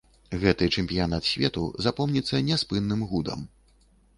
Гэты чэмпіянат свету запомніцца няспынным гудам.